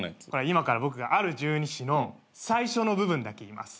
今から僕がある十二支の最初の部分だけ言います。